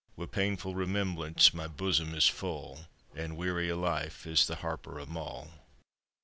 Wi' painfu' remembrance my bosom is full, An' weary o' life is the Harper o' Mull.